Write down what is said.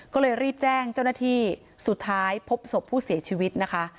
ก็เลยรีบแจ้งเจ้าหน้าที่สุดท้ายพบศพผู้เสียชีวิตนะคะ